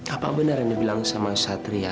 apa bener yang dia bilang sama satria